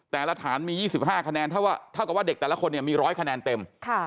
แต่ละฐานมี๒๕คะแนนเท่ากับว่าเด็กแต่ละคนเนี่ยมี๑๐๐คะแนนเต็ม